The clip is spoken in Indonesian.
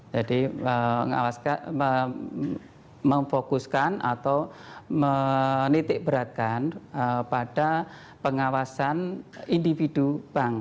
jadi mengawaskan memfokuskan atau menitikberatkan pada pengawasan individu bank